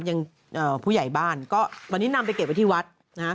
อย่างผู้ใหญ่บ้านก็ตอนนี้นำไปเก็บไว้ที่วัดนะฮะ